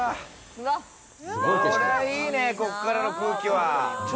これはいいね、こっからの空気は。